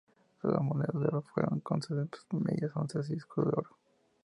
Las monedas de oro fueron de onzas, medias onzas y escudo de oro.